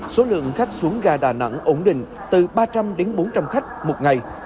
số lượng khách xuống gà đà nẵng ổn định từ ba trăm linh đến bốn trăm linh khách một ngày